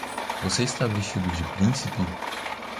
Você está vestido de príncipe?